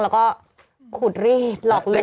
แล้วก็ขุดรีดหลอกเล่น